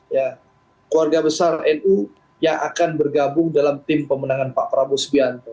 ya keluarga besar nu yang akan bergabung dalam tim pemenangan pak prabowo subianto